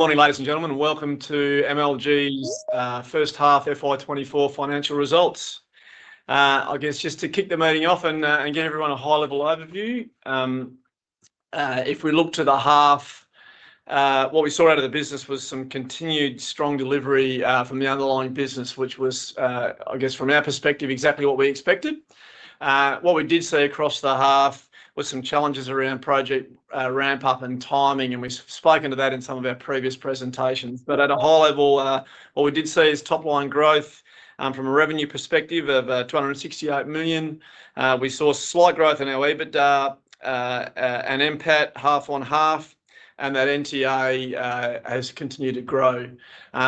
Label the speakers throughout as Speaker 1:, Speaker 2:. Speaker 1: Good morning, ladies and gentlemen. Welcome to MLG's First Half FY'24 Financial Results. I guess just to kick the meeting off and get everyone a high-level overview, if we look to the half, what we saw out of the business was some continued strong delivery from the underlying business, which was, I guess from our perspective, exactly what we expected. What we did see across the half was some challenges around project ramp-up and timing, and we've spoken to that in some of our previous presentations. At a high level, what we did see is top-line growth from a revenue perspective of 268 million. We saw slight growth in our EBITDA and NPAT half on half, and that NTA has continued to grow.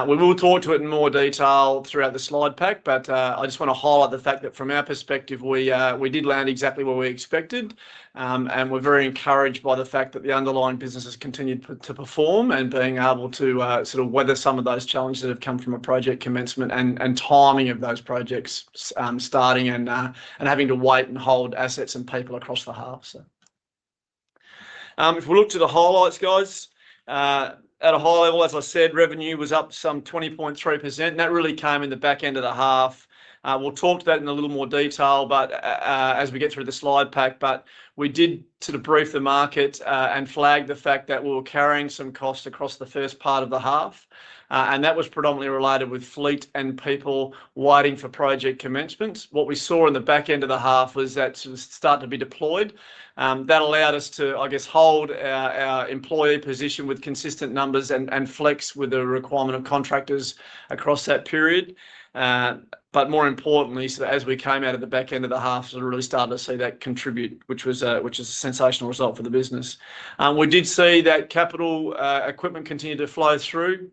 Speaker 1: We will talk to it in more detail throughout the slide pack, but I just want to highlight the fact that from our perspective, we did land exactly where we expected, and we are very encouraged by the fact that the underlying business has continued to perform and being able to sort of weather some of those challenges that have come from a project commencement and timing of those projects starting and having to wait and hold assets and people across the half. If we look to the highlights, guys, at a high level, as I said, revenue was up some 20.3%, and that really came in the back end of the half. We'll talk to that in a little more detail as we get through the slide pack, but we did sort of brief the market and flag the fact that we were carrying some costs across the first part of the half, and that was predominantly related with fleet and people waiting for project commencement. What we saw in the back end of the half was that sort of start to be deployed. That allowed us to, I guess, hold our employee position with consistent numbers and flex with the requirement of contractors across that period. More importantly, as we came out of the back end of the half, we really started to see that contribute, which was a sensational result for the business. We did see that capital equipment continue to flow through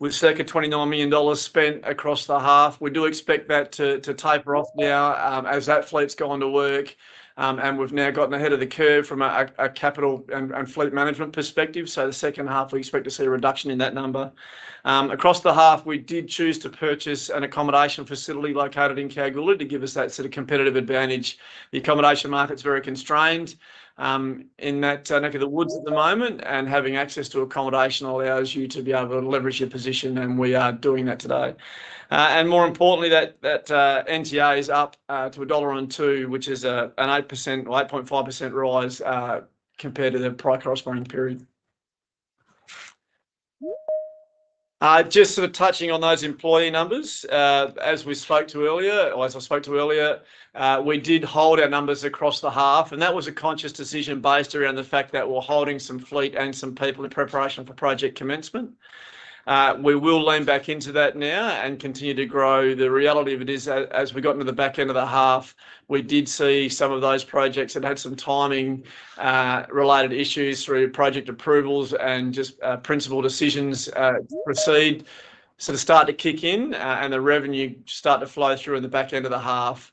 Speaker 1: with circa 29 million dollars spent across the half. We do expect that to taper off now as that fleet's gone to work, and we've now gotten ahead of the curve from a capital and fleet management perspective. The second half, we expect to see a reduction in that number. Across the half, we did choose to purchase an accommodation facility located in Kalgoorlie to give us that sort of competitive advantage. The accommodation market's very constrained in that neck of the woods at the moment, and having access to accommodation allows you to be able to leverage your position, and we are doing that today. More importantly, that NTA is up to 1.02 dollar, which is an 8.5% rise compared to the prior corresponding period. Just sort of touching on those employee numbers, as we spoke to earlier, or as I spoke to earlier, we did hold our numbers across the half, and that was a conscious decision based around the fact that we're holding some fleet and some people in preparation for project commencement. We will lean back into that now and continue to grow. The reality of it is, as we got into the back end of the half, we did see some of those projects that had some timing-related issues through project approvals and just principal decisions proceed sort of start to kick in, and the revenue start to flow through in the back end of the half.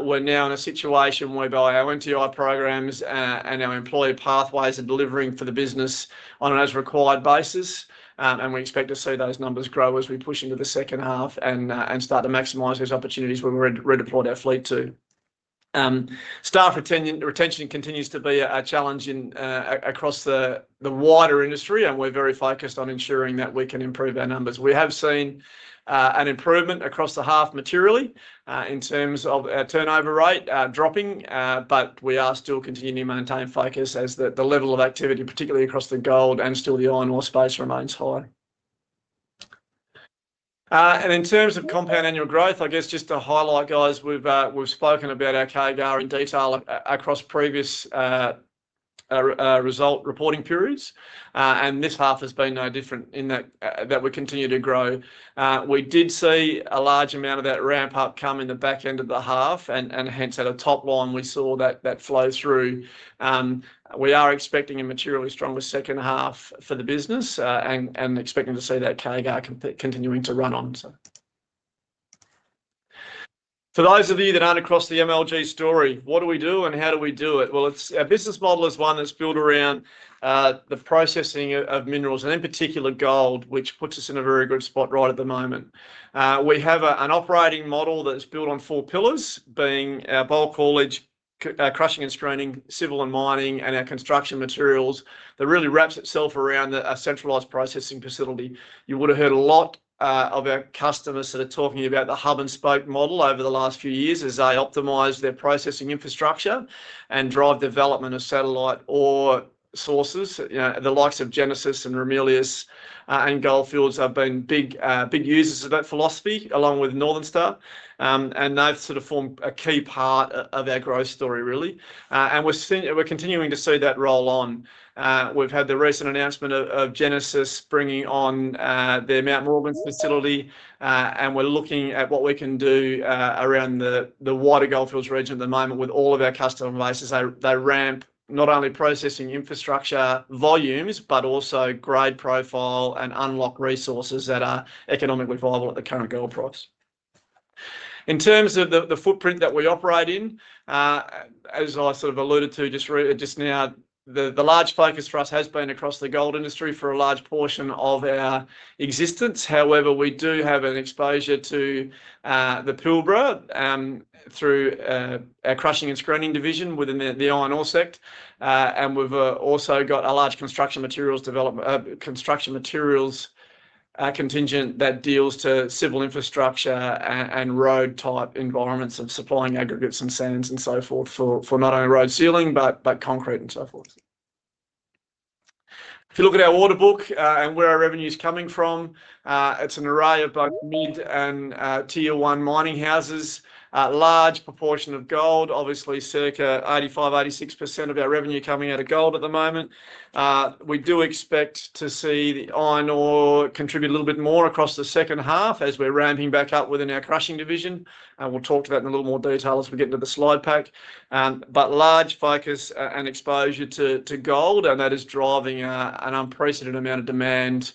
Speaker 1: We're now in a situation whereby our NTI programs and our employee pathways are delivering for the business on an as-required basis, and we expect to see those numbers grow as we push into the second half and start to maximise those opportunities when we redeployed our fleet too. Staff retention continues to be a challenge across the wider industry, and we're very focused on ensuring that we can improve our numbers. We have seen an improvement across the half materially in terms of our turnover rate dropping, but we are still continuing to maintain focus as the level of activity, particularly across the gold and still the iron ore space, remains high. In terms of compound annual growth, I guess just to highlight, guys, we've spoken about our CAGR in detail across previous result reporting periods, and this half has been no different in that we continue to grow. We did see a large amount of that ramp-up come in the back end of the half, and hence at a top line, we saw that flow through. We are expecting a materially stronger second half for the business and expecting to see that CAGR continuing to run on. For those of you that aren't across the MLG story, what do we do and how do we do it? Our business model is one that's built around the processing of minerals and in particular gold, which puts us in a very good spot right at the moment. We have an operating model that's built on four pillars, being our bulk haulage, crushing and screening, civil and mining, and our construction materials. That really wraps itself around a centralised processing facility. You would have heard a lot of our customers that are talking about the hub and spoke model over the last few years as they optimise their processing infrastructure and drive development of satellite ore sources. The likes of Genesis Minerals and Ramelius Resources and Gold Fields have been big users of that philosophy along with Northern Star, and they've sort of formed a key part of our growth story, really. We're continuing to see that roll on. We've had the recent announcement of Genesis Minerals bringing on their Mt Morgans facility, and we're looking at what we can do around the wider Goldfields Region at the moment with all of our customer bases. They ramp not only processing infrastructure volumes, but also grade profile and unlock resources that are economically viable at the current gold price. In terms of the footprint that we operate in, as I sort of alluded to just now, the large focus for us has been across the gold industry for a large portion of our existence. However, we do have an exposure to the Pilbara through our crushing and screening division within the iron ore sector, and we've also got a large construction materials contingent that deals to civil infrastructure and road-type environments of supplying aggregates and sands and so forth for not only road sealing but concrete and so forth. If you look at our order book and where our revenue is coming from, it's an array of both mid and tier one mining houses, large proportion of gold, obviously circa 85-86% of our revenue coming out of gold at the moment. We do expect to see the iron ore contribute a little bit more across the second half as we're ramping back up within our crushing division, and we will talk to that in a little more detail as we get into the slide pack. Large focus and exposure to gold, and that is driving an unprecedented amount of demand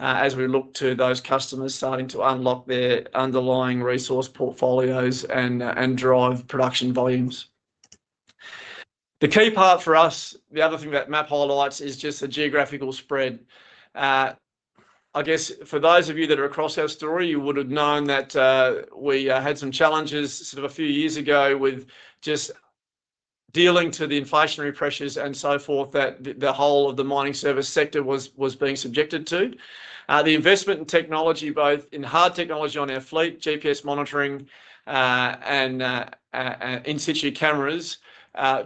Speaker 1: as we look to those customers starting to unlock their underlying resource portfolios and drive production volumes. The key part for us, the other thing that map highlights, is just the geographical spread. I guess for those of you that are across our story, you would have known that we had some challenges sort of a few years ago with just dealing to the inflationary pressures and so forth that the whole of the mining service sector was being subjected to. The investment in technology, both in hard technology on our fleet, GPS monitoring, and in-situ cameras,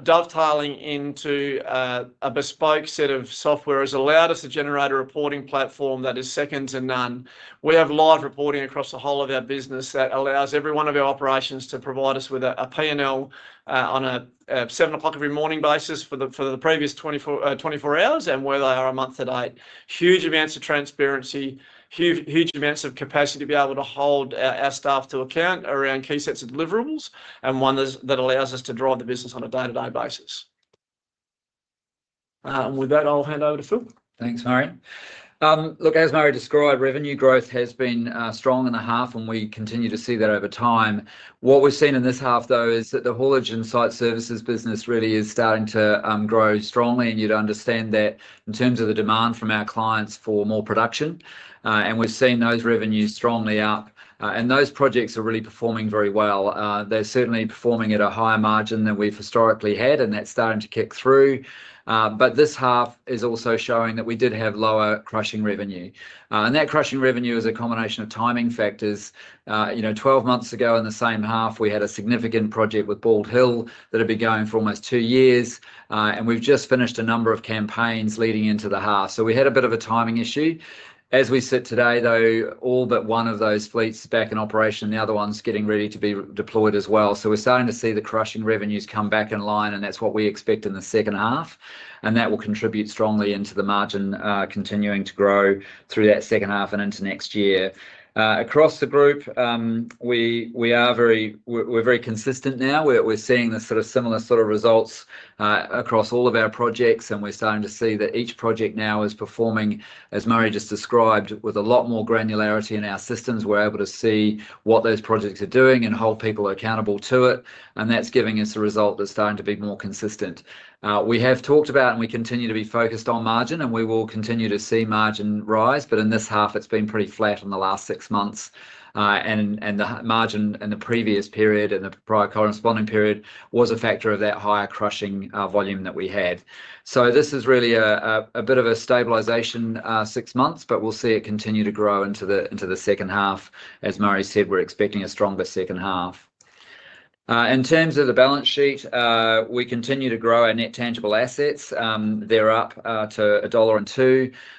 Speaker 1: dovetailing into a bespoke set of software has allowed us to generate a reporting platform that is second to none. We have live reporting across the whole of our business that allows every one of our operations to provide us with a P&L on a 7:00 A.M. every morning basis for the previous 24 hours and where they are a month to date. Huge amounts of transparency, huge amounts of capacity to be able to hold our staff to account around key sets of deliverables and one that allows us to drive the business on a day-to-day basis. With that, I'll hand over to Phil.
Speaker 2: Thanks, Murray. Look, as Murray described, revenue growth has been strong in the half, and we continue to see that over time. What we've seen in this half, though, is that the haulage and site services business really is starting to grow strongly, and you'd understand that in terms of the demand from our clients for more production, and we've seen those revenues strongly up, and those projects are really performing very well. They're certainly performing at a higher margin than we've historically had, and that's starting to kick through. This half is also showing that we did have lower crushing revenue, and that crushing revenue is a combination of timing factors. Twelve months ago in the same half, we had a significant project with Bald Hill that had been going for almost two years, and we've just finished a number of campaigns leading into the half. We had a bit of a timing issue. As we sit today, though, all but one of those fleets is back in operation, and the other one is getting ready to be deployed as well. We are starting to see the crushing revenues come back in line, and that is what we expect in the second half, and that will contribute strongly into the margin continuing to grow through that second half and into next year. Across the group, we are very consistent now. We are seeing the sort of similar sort of results across all of our projects, and we are starting to see that each project now is performing, as Murray just described, with a lot more granularity in our systems. We are able to see what those projects are doing and hold people accountable to it, and that is giving us a result that is starting to be more consistent. We have talked about, and we continue to be focused on margin, and we will continue to see margin rise, but in this half, it's been pretty flat in the last six months, and the margin in the previous period and the prior corresponding period was a factor of that higher crushing volume that we had. This is really a bit of a stabilisation six months, but we'll see it continue to grow into the second half. As Murray said, we're expecting a stronger second half. In terms of the balance sheet, we continue to grow our net tangible assets. They're up to 1.02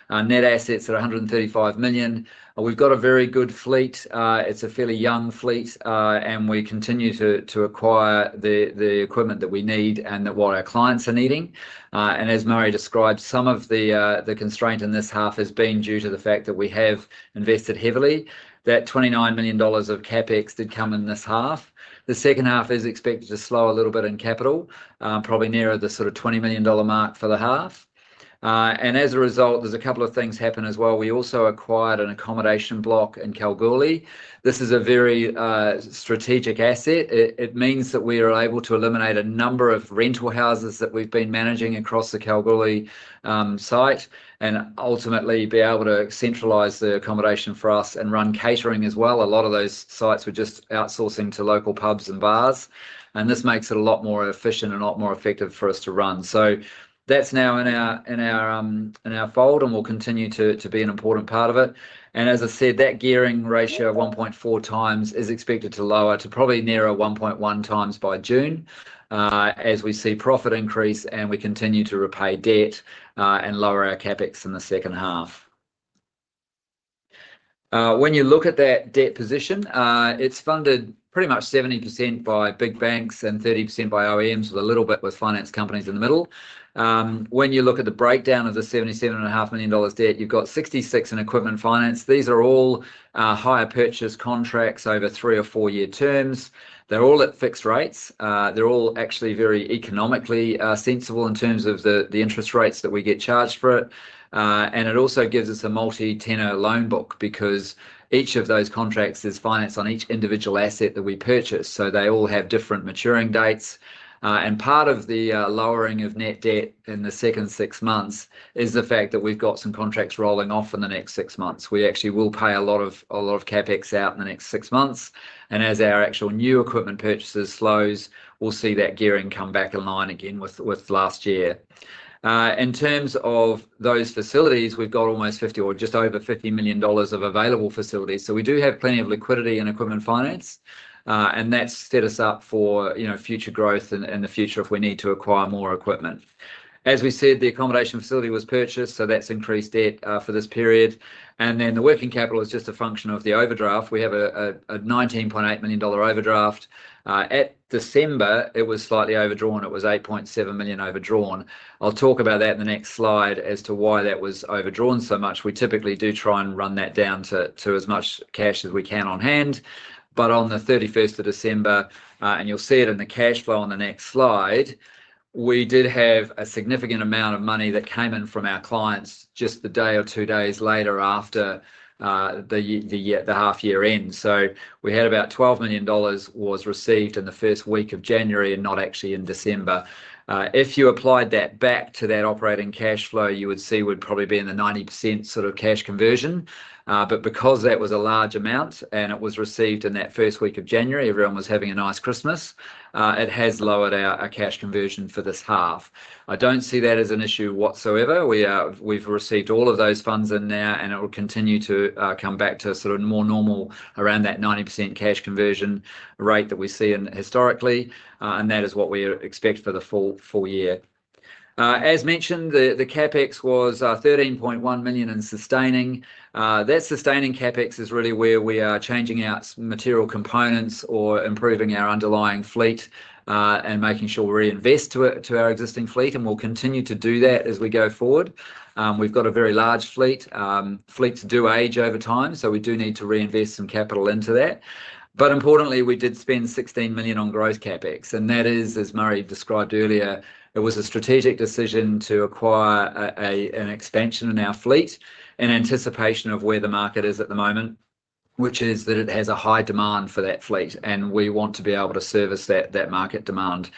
Speaker 2: dollar. Net assets at 135 million. We've got a very good fleet. It's a fairly young fleet, and we continue to acquire the equipment that we need and that what our clients are needing. As Murray described, some of the constraint in this half has been due to the fact that we have invested heavily. That 29 million dollars of CapEx did come in this half. The second half is expected to slow a little bit in capital, probably nearer the sort of 20 million dollar mark for the half. As a result, there are a couple of things happen as well. We also acquired an accommodation block in Kalgoorlie. This is a very strategic asset. It means that we are able to eliminate a number of rental houses that we have been managing across the Kalgoorlie site and ultimately be able to centralize the accommodation for us and run catering as well. A lot of those sites were just outsourcing to local pubs and bars, and this makes it a lot more efficient and a lot more effective for us to run. That is now in our fold, and we will continue to be an important part of it. As I said, that gearing ratio of 1.4 times is expected to lower to probably nearer 1.1 times by June as we see profit increase and we continue to repay debt and lower our CapEx in the second half. When you look at that debt position, it is funded pretty much 70% by big banks and 30% by OEMs, with a little bit with finance companies in the middle. When you look at the breakdown of the 77.5 million dollars debt, you have 66 in equipment finance. These are all hire purchase contracts over three or four-year terms. They are all at fixed rates. They are all actually very economically sensible in terms of the interest rates that we get charged for it. It also gives us a multi-tenor loan book because each of those contracts is financed on each individual asset that we purchase. They all have different maturing dates. Part of the lowering of net debt in the second six months is the fact that we have some contracts rolling off in the next six months. We actually will pay a lot of CapEx out in the next six months. As our actual new equipment purchases slow, we will see that gearing come back in line again with last year. In terms of those facilities, we have almost 50 or just over 50 million dollars of available facilities. We do have plenty of liquidity in equipment finance, and that has set us up for future growth in the future if we need to acquire more equipment. As we said, the accommodation facility was purchased, so that's increased debt for this period. The working capital is just a function of the overdraft. We have a 19.8 million dollar overdraft. At December, it was slightly overdrawn. It was 8.7 million overdrawn. I'll talk about that in the next slide as to why that was overdrawn so much. We typically do try and run that down to as much cash as we can on hand. On the 31st of December, and you'll see it in the cash flow on the next slide, we did have a significant amount of money that came in from our clients just a day or two days later after the half-year end. We had about 12 million dollars was received in the first week of January and not actually in December. If you applied that back to that operating cash flow, you would see we'd probably be in the 90% sort of cash conversion. Because that was a large amount and it was received in that first week of January, everyone was having a nice Christmas, it has lowered our cash conversion for this half. I don't see that as an issue whatsoever. We've received all of those funds in now, and it will continue to come back to sort of more normal around that 90% cash conversion rate that we see historically, and that is what we expect for the full year. As mentioned, the CapEx was 13.1 million in sustaining. That sustaining CapEx is really where we are changing out material components or improving our underlying fleet and making sure we reinvest to our existing fleet, and we'll continue to do that as we go forward. We've got a very large fleet. Fleets do age over time, so we do need to reinvest some capital into that. Importantly, we did spend 16 million on gross CapEx, and that is, as Murray described earlier, it was a strategic decision to acquire an expansion in our fleet in anticipation of where the market is at the moment, which is that it has a high demand for that fleet, and we want to be able to service that market demand.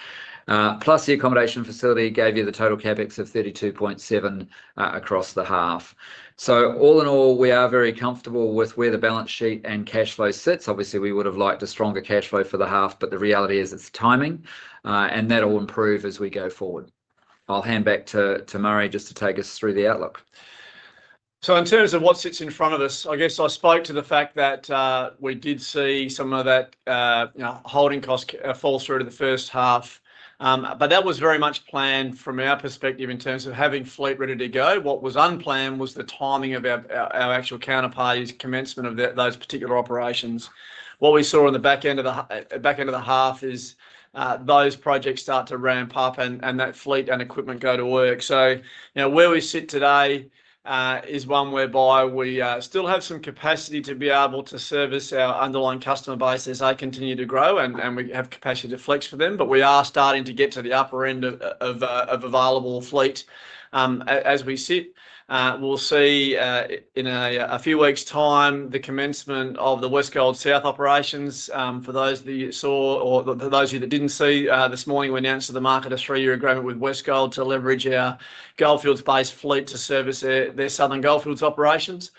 Speaker 2: Plus, the accommodation facility gave you the total CapEx of 32.7 million across the half. All in all, we are very comfortable with where the balance sheet and cash flow sits. Obviously, we would have liked a stronger cash flow for the half, but the reality is it's timing, and that will improve as we go forward. I'll hand back to Murray just to take us through the outlook.
Speaker 1: In terms of what sits in front of us, I guess I spoke to the fact that we did see some of that holding cost fall through to the first half, but that was very much planned from our perspective in terms of having fleet ready to go. What was unplanned was the timing of our actual counterparties' commencement of those particular operations. What we saw in the back end of the half is those projects start to ramp up and that fleet and equipment go to work. Where we sit today is one whereby we still have some capacity to be able to service our underlying customer base as they continue to grow, and we have capacity to flex for them, but we are starting to get to the upper end of available fleet as we sit. We'll see in a few weeks' time the commencement of the Westgold South operations. For those that you saw or for those of you that didn't see this morning, we announced to the market a three-year agreement with Westgold to leverage our Goldfields-based fleet to service their southern Goldfields operations.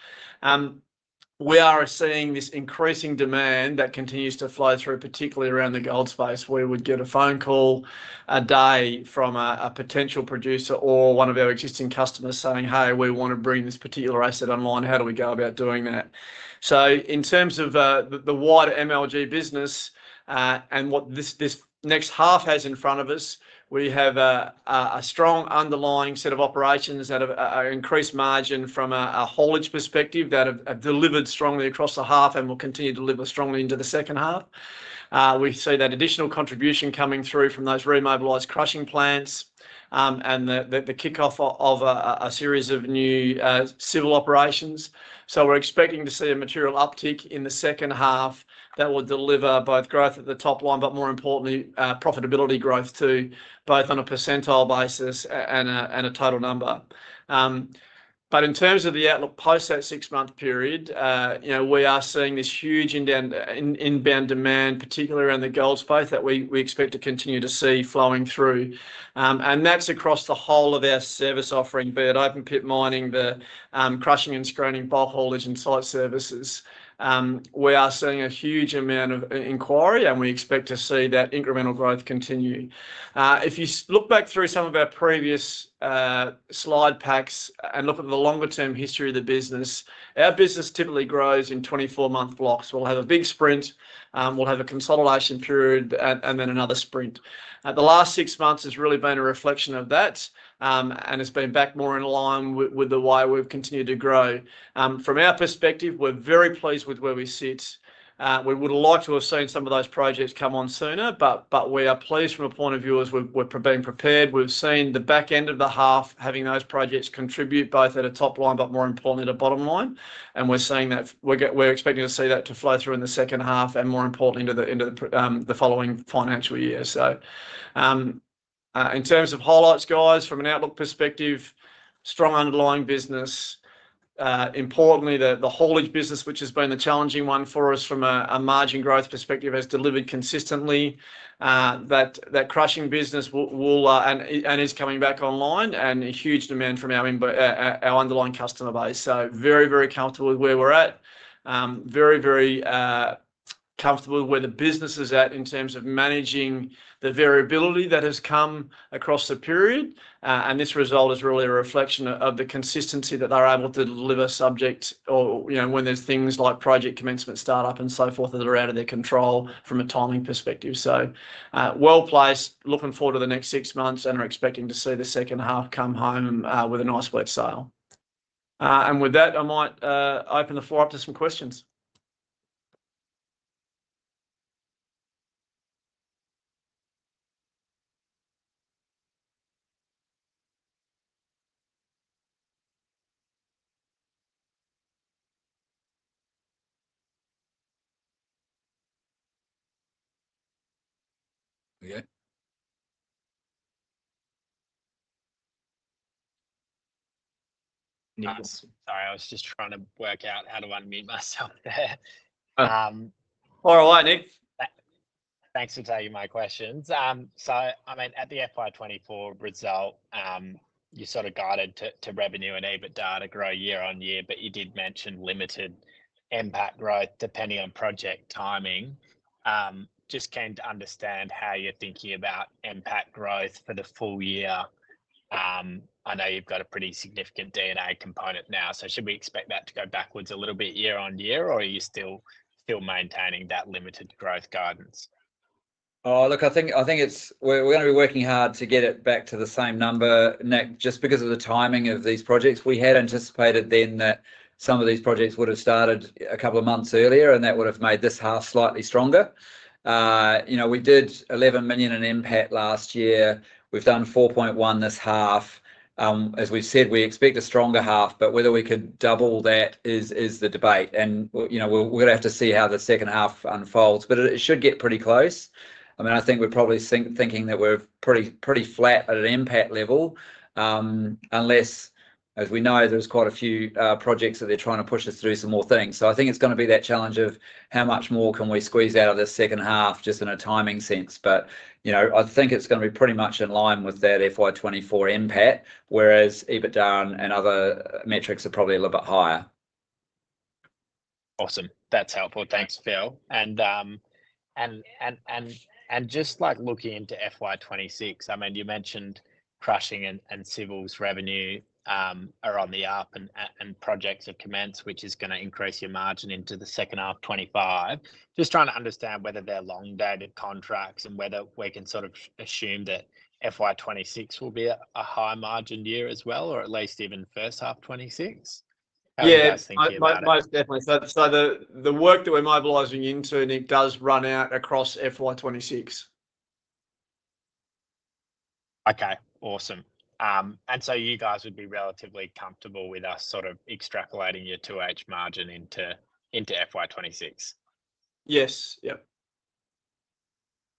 Speaker 1: We are seeing this increasing demand that continues to flow through, particularly around the gold space. We would get a phone call a day from a potential producer or one of our existing customers saying, "Hey, we want to bring this particular asset online. How do we go about doing that? In terms of the wider MLG business and what this next half has in front of us, we have a strong underlying set of operations that have increased margin from a haulage perspective that have delivered strongly across the half and will continue to deliver strongly into the second half. We see that additional contribution coming through from those remobilised crushing plants and the kickoff of a series of new civil operations. We are expecting to see a material uptick in the second half that will deliver both growth at the top line, but more importantly, profitability growth too, both on a percentile basis and a total number. In terms of the outlook post that six-month period, we are seeing this huge inbound demand, particularly around the gold space, that we expect to continue to see flowing through. That is across the whole of our service offering, be it open-pit mining, the crushing and screening, bulk haulage, and site services. We are seeing a huge amount of inquiry, and we expect to see that incremental growth continue. If you look back through some of our previous slide packs and look at the longer-term history of the business, our business typically grows in 24-month blocks. We will have a big sprint. We will have a consolidation period and then another sprint. The last six months has really been a reflection of that, and it has been back more in line with the way we have continued to grow. From our perspective, we are very pleased with where we sit. We would have liked to have seen some of those projects come on sooner, but we are pleased from a point of view as we are being prepared. We've seen the back end of the half having those projects contribute both at a top line, but more importantly, at a bottom line. We're seeing that. We're expecting to see that to flow through in the second half and, more importantly, into the following financial year. In terms of highlights, guys, from an outlook perspective, strong underlying business. Importantly, the haulage business, which has been the challenging one for us from a margin growth perspective, has delivered consistently. That crushing business will and is coming back online and huge demand from our underlying customer base. Very, very comfortable with where we're at. Very, very comfortable with where the business is at in terms of managing the variability that has come across the period. This result is really a reflection of the consistency that they're able to deliver subject or when there's things like project commencement, start-up, and so forth that are out of their control from a timing perspective. Well placed, looking forward to the next six months and are expecting to see the second half come home with a nice wet sail. With that, I might open the floor up to some questions. Okay. Sorry, I was just trying to work out how do I mute myself there. All right, Nick Thanks for taking my questions. I mean, at the FY24 result, you sort of guided to revenue and EBITDA to grow year on year, but you did mention limited NPAT growth depending on project timing. Just keen to understand how you're thinking about NPAT growth for the full year. I know you've got a pretty significant D&A component now, so should we expect that to go backwards a little bit year on year, or are you still maintaining that limited growth guidance?
Speaker 2: Oh, look, I think we're going to be working hard to get it back to the same number, Nick, just because of the timing of these projects. We had anticipated then that some of these projects would have started a couple of months earlier, and that would have made this half slightly stronger. We did 11 million in NPAT last year. We've done 4.1 million this half. As we've said, we expect a stronger half, but whether we can double that is the debate. I mean, we're going to have to see how the second half unfolds, but it should get pretty close. I mean, I think we're probably thinking that we're pretty flat at an NPAT level unless, as we know, there's quite a few projects that they're trying to push us through some more things. I think it's going to be that challenge of how much more can we squeeze out of the second half just in a timing sense. I think it's going to be pretty much in line with that FY'24 NPAT, whereas EBITDA and other metrics are probably a little bit higher. Awesome. That's helpful. Thanks, Phil. I mean, just looking into FY'26, you mentioned crushing and civil's revenue are on the up and projects have commenced, which is going to increase your margin into the second half of 2025. Just trying to understand whether they're long-dated contracts and whether we can sort of assume that FY'26 will be a high-margin year as well, or at least even first half 2026. How do you guys think you'd like?
Speaker 1: Yeah, most definitely. The work that we're mobilizing into does run out across FY'26. Okay. Awesome. You guys would be relatively comfortable with us sort of extrapolating your 2H margin into FY'26? Yes. Yep.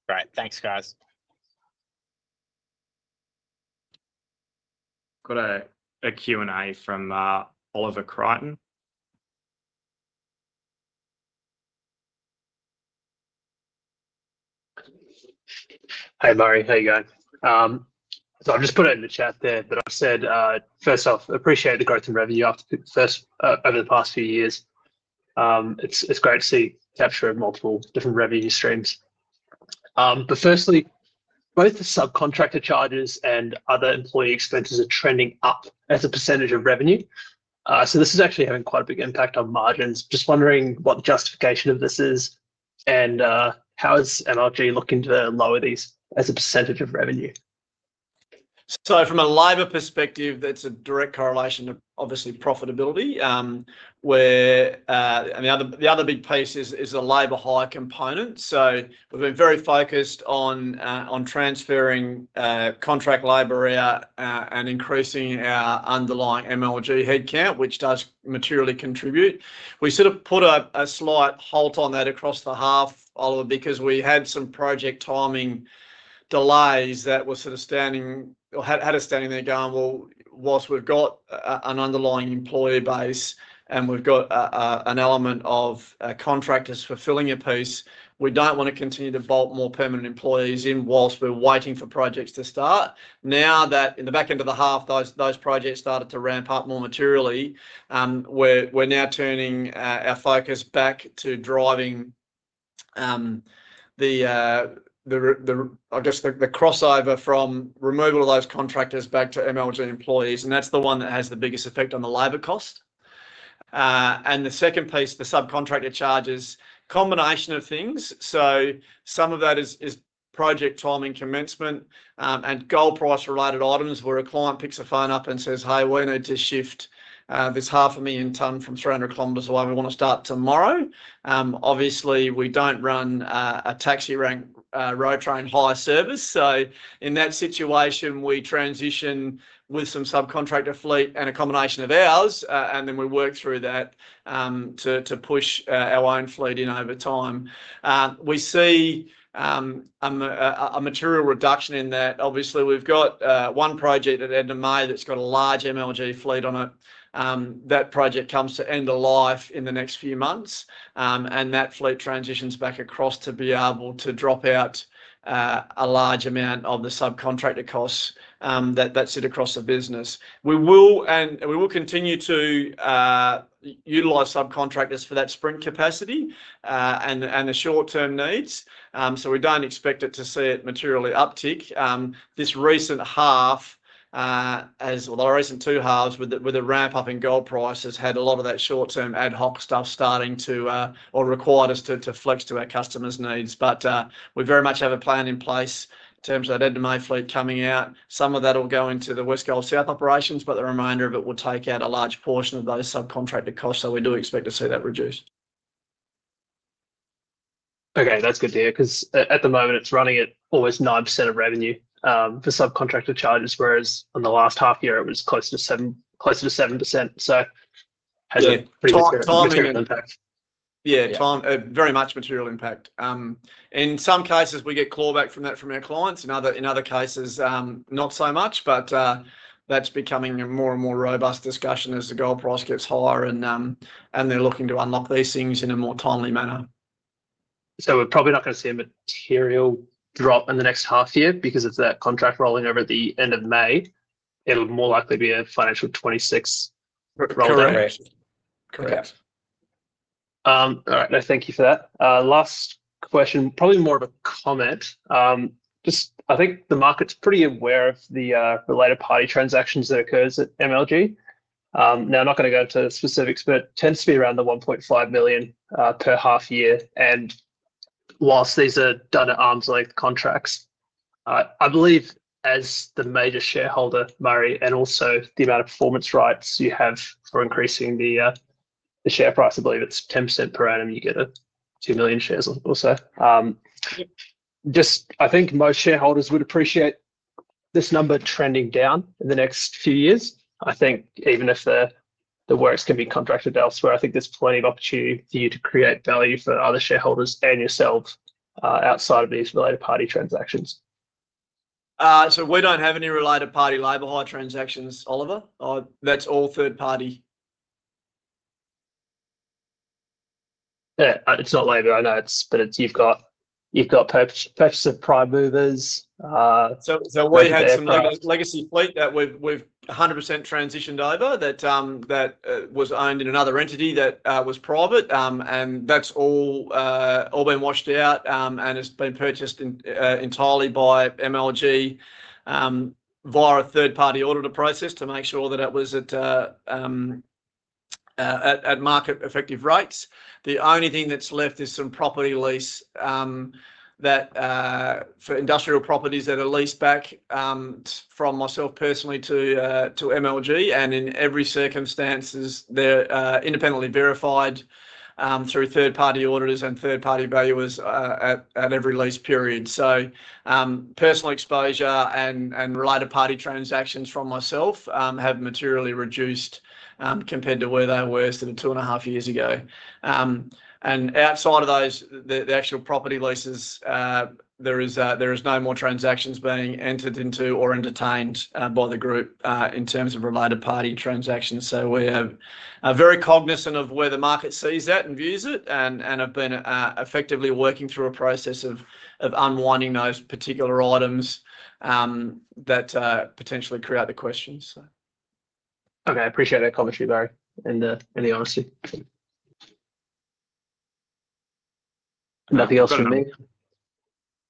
Speaker 1: Great. Thanks, guys.
Speaker 2: Got a Q&A from Oliver Crichton. Hey, Murray. How are you going? I've just put it in the chat there, but I've said, first off, appreciate the growth in revenue over the past few years. It's great to see capture of multiple different revenue streams. Firstly, both the subcontractor charges and other employee expenses are trending up as a percentage of revenue. This is actually having quite a big NPAT on margins. Just wondering what the justification of this is and how is MLG looking to lower these as a percentage of revenue?
Speaker 1: From a labor perspective, that's a direct correlation to, obviously, profitability. I mean, the other big piece is the labor hire component. We've been very focused on transferring contract labor and increasing our underlying MLG headcount, which does materially contribute. We sort of put a slight halt on that across the half, Oliver, because we had some project timing delays that were sort of standing or had us standing there going, "Well, whilst we've got an underlying employee base and we've got an element of contractors fulfilling a piece, we don't want to continue to bolt more permanent employees in whilst we're waiting for projects to start." Now that in the back end of the half, those projects started to ramp up more materially, we're now turning our focus back to driving the, I guess, the crossover from removal of those contractors back to MLG employees. That's the one that has the biggest effect on the labor cost. The second piece, the subcontractor charges, combination of things. Some of that is project timing commencement and gold price-related items where a client picks a phone up and says, "Hey, we need to shift this 500,000 ton from 300 km away. We want to start tomorrow." Obviously, we don't run a taxi-rank road train high service. In that situation, we transition with some subcontractor fleet and a combination of ours, and then we work through that to push our own fleet in over time. We see a material reduction in that. Obviously, we've got one project at end of May that's got a large MLG fleet on it. That project comes to end of life in the next few months, and that fleet transitions back across to be able to drop out a large amount of the subcontractor costs that sit across the business. We will continue to utilise subcontractors for that sprint capacity and the short-term needs. We do not expect to see it materially uptick. This recent half, as well as the recent two halves with the ramp-up in gold prices, had a lot of that short-term ad hoc stuff starting to or required us to flex to our customers' needs. We very much have a plan in place in terms of that end-of-May fleet coming out. Some of that will go into the Westgold South operations, but the remainder of it will take out a large portion of those subcontractor costs. We do expect to see that reduced. Okay. That's good to hear because at the moment, it's running at almost 9% of revenue for subcontractor charges, whereas in the last half year, it was closer to 7%. Has a pretty significant NPAT. Yeah. Very much material NPAT. In some cases, we get clawback from that from our clients. In other cases, not so much, but that's becoming a more and more robust discussion as the gold price gets higher and they're looking to unlock these things in a more timely manner. We're probably not going to see a material drop in the next half year because of that contract rolling over at the end of May. It'll more likely be a FY'26 roll-out. Correct. Correct. All right. No, thank you for that. Last question, probably more of a comment. I think the market's pretty aware of the related party transactions that occurs at MLG. Now, I'm not going to go into specifics, but it tends to be around 1.5 million per half year. And whilst these are done at arm's length contracts, I believe as the major shareholder, Murray, and also the amount of performance rights you have for increasing the share price, I believe it's 10% per annum. You get 2 million shares or so. Just I think most shareholders would appreciate this number trending down in the next few years. I think even if the works can be contracted elsewhere, I think there's plenty of opportunity for you to create value for other shareholders and yourself outside of these related party transactions. We don't have any related party labor hire transactions, Oliver. That's all third party. It's not labor. I know it's, but you've got purchase of prime movers. We had some legacy fleet that we've 100% transitioned over that was owned in another entity that was private. That has all been washed out and has been purchased entirely by MLG via a third-party auditor process to make sure that it was at market-effective rates. The only thing that's left is some property lease for industrial properties that are leased back from myself personally to MLG. In every circumstance, they're independently verified through third-party auditors and third-party valuers at every lease period. Personal exposure and related party transactions from myself have materially reduced compared to where they were sort of two and a half years ago. Outside of those, the actual property leases, there are no more transactions being entered into or entertained by the group in terms of related party transactions. We are very cognizant of where the market sees that and views it and have been effectively working through a process of unwinding those particular items that potentially create the questions. Okay. Appreciate that commentary, Murray, and the honesty. Nothing else from me.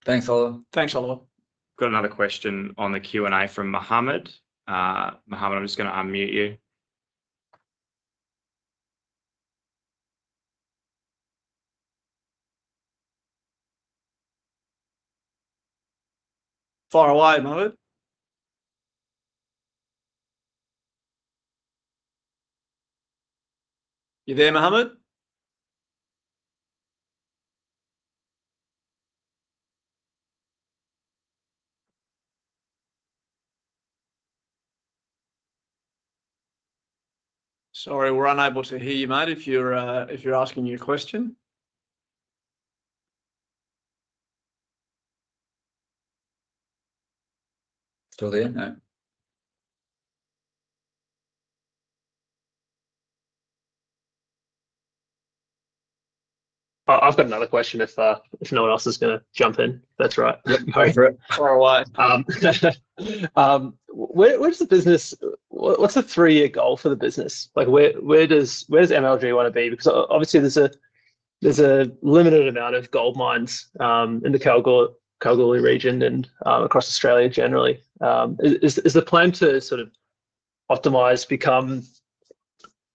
Speaker 2: Thanks, Oliver.
Speaker 1: Thanks, Oliver.
Speaker 2: Got another question on the Q&A from Mohammed. Mohammed, I'm just going to unmute you.
Speaker 1: Far away, Mohammed. You there, Mohammed? Sorry, we're unable to hear you, mate, if you're asking your question.
Speaker 2: Still there? No. I've got another question if no one else is going to jump in. That's right.
Speaker 1: Yep. Go for it. Far away. What's the business? What's the three-year goal for the business? Where does MLG want to be? Because obviously, there's a limited amount of gold mines in the Kalgoorlie region and across Australia generally. Is the plan to sort of optimise, become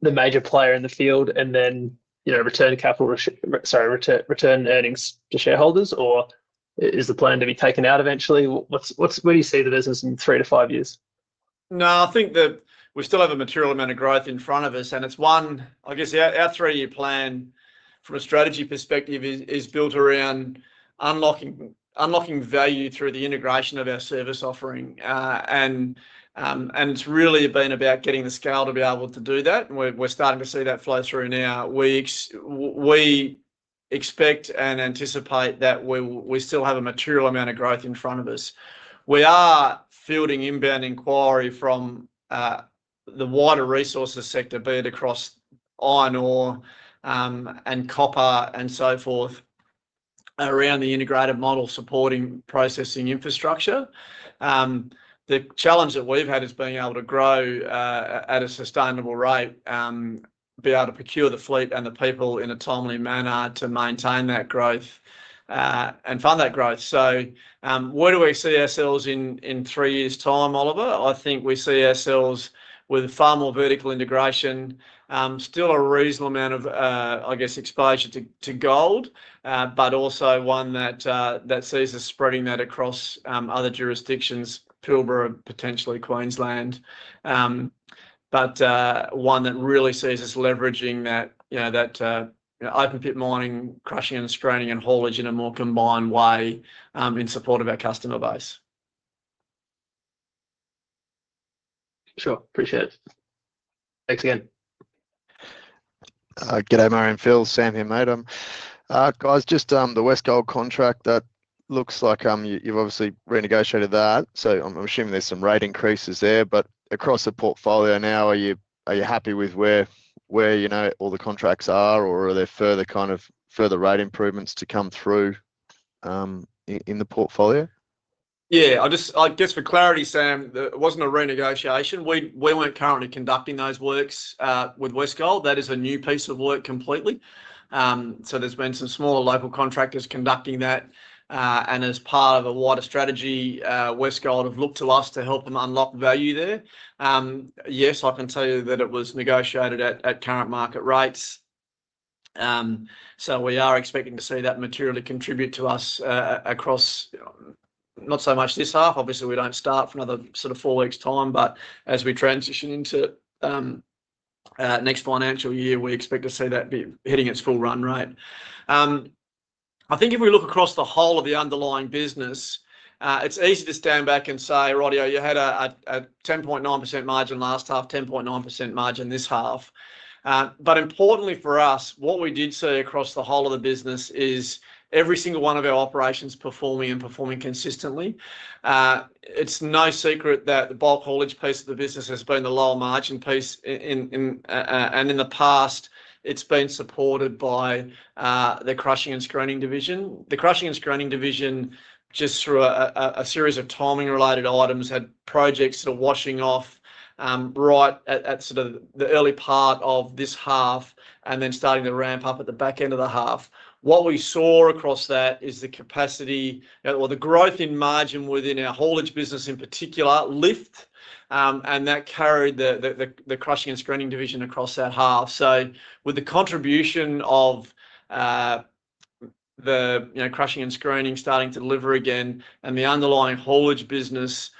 Speaker 1: the major player in the field, and then return capital—sorry, return earnings to shareholders? Or is the plan to be taken out eventually? Where do you see the business in three to five years? No, I think that we still have a material amount of growth in front of us. It is one, I guess our three-year plan from a strategy perspective is built around unlocking value through the integration of our service offering. It has really been about getting the scale to be able to do that. We are starting to see that flow through now. We expect and anticipate that we still have a material amount of growth in front of us. We are fielding inbound inquiry from the wider resources sector, be it across iron ore and copper and so forth, around the integrated model supporting processing infrastructure. The challenge that we have had is being able to grow at a sustainable rate, be able to procure the fleet and the people in a timely manner to maintain that growth and fund that growth. Where do we see ourselves in three years' time, Oliver? I think we see ourselves with far more vertical integration, still a reasonable amount of, I guess, exposure to gold, but also one that sees us spreading that across other jurisdictions, Pilbara potentially, Queensland, but one that really sees us leveraging that open-pit mining, crushing, and screening and haulage in a more combined way in support of our customer base. Sure. Appreciate it. Thanks again. G'day, Murray and Phil. Sam here, Mate. Guys, just the Westgold contract, that looks like you've obviously renegotiated that. I'm assuming there's some rate increases there. Across the portfolio now, are you happy with where all the contracts are? Are there further kind of further rate improvements to come through in the portfolio? Yeah. I guess for clarity, Sam, it was not a renegotiation. We were not currently conducting those works with Westgold. That is a new piece of work completely. There have been some smaller local contractors conducting that. As part of a wider strategy, Westgold have looked to us to help them unlock value there. Yes, I can tell you that it was negotiated at current market rates. We are expecting to see that materially contribute to us across not so much this half. Obviously, we do not start for another sort of four weeks' time. As we transition into next financial year, we expect to see that be hitting its full run rate. I think if we look across the whole of the underlying business, it's easy to stand back and say, "Rody, you had a 10.9% margin last half, 10.9% margin this half." Importantly for us, what we did see across the whole of the business is every single one of our operations performing and performing consistently. It's no secret that the bulk haulage piece of the business has been the lower margin piece. In the past, it's been supported by the crushing and screening division. The crushing and screening division, just through a series of timing-related items, had projects that were washing off right at sort of the early part of this half and then starting to ramp up at the back end of the half. What we saw across that is the capacity or the growth in margin within our haulage business in particular lift. That carried the crushing and screening division across that half. With the contribution of the crushing and screening starting to deliver again and the underlying haulage business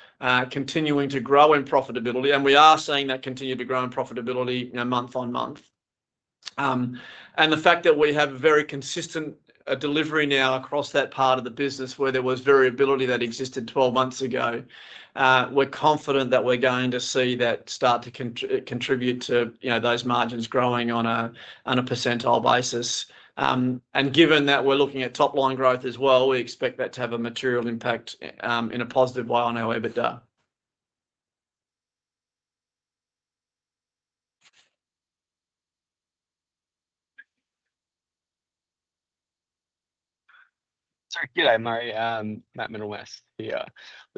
Speaker 1: continuing to grow in profitability, we are seeing that continue to grow in profitability month on month. The fact that we have a very consistent delivery now across that part of the business where there was variability that existed 12 months ago, we are confident that we are going to see that start to contribute to those margins growing on a percentile basis. Given that we are looking at top-line growth as well, we expect that to have a material NPAT in a positive way on our EBITDA. Sorry. G'day, Murray. Matt Mirams here.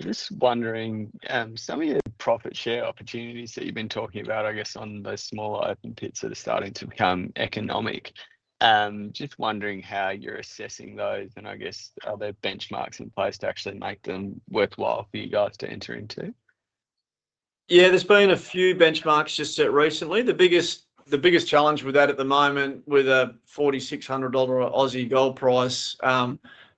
Speaker 1: Just wondering, some of your profit share opportunities that you've been talking about, I guess, on those smaller open pits that are starting to become economic, just wondering how you're assessing those. And I guess are there benchmarks in place to actually make them worthwhile for you guys to enter into? Yeah. There's been a few benchmarks just recently. The biggest challenge with that at the moment with a 4,600 Aussie dollars gold price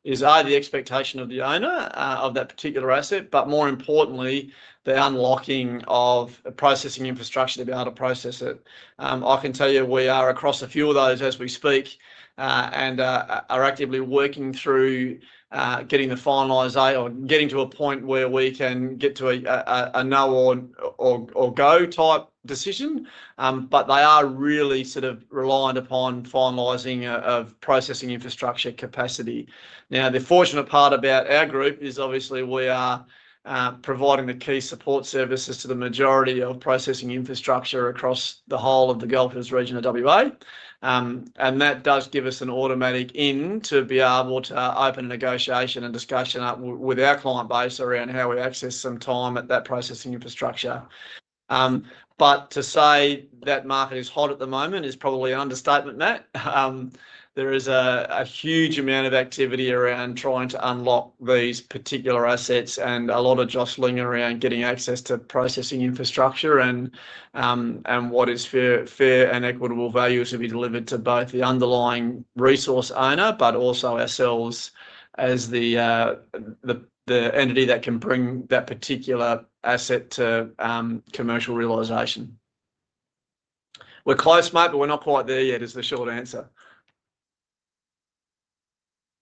Speaker 1: is either the expectation of the owner of that particular asset, but more importantly, the unlocking of processing infrastructure to be able to process it. I can tell you we are across a few of those as we speak and are actively working through getting the finalise or getting to a point where we can get to a no or go type decision. They are really sort of reliant upon finalising of processing infrastructure capacity. Now, the fortunate part about our group is obviously we are providing the key support services to the majority of processing infrastructure across the whole of the Goldfields region of Western Australia. That does give us an automatic end to be able to open a negotiation and discussion with our client base around how we access some time at that processing infrastructure. To say that market is hot at the moment is probably an understatement, Matt. There is a huge amount of activity around trying to unlock these particular assets and a lot of jostling around getting access to processing infrastructure and what is fair and equitable value to be delivered to both the underlying resource owner, but also ourselves as the entity that can bring that particular asset to commercial realisation. We're close, mate, but we're not quite there yet is the short answer.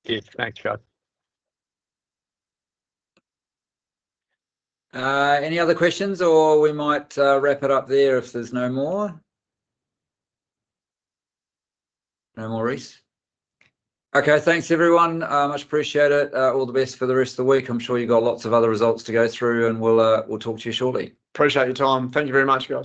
Speaker 1: Good. Thanks, guys.
Speaker 2: Any other questions? Or we might wrap it up there if there's no more? No more, Rhys? Okay. Thanks, everyone. Much appreciated. All the best for the rest of the week. I'm sure you've got lots of other results to go through, and we'll talk to you shortly. Appreciate your time. Thank you very much, guys.